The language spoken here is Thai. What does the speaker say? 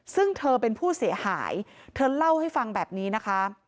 ซึ่งเธอเป็นผู้เสียหายเธอเล่าให้ฟังแบบนี้นะคะ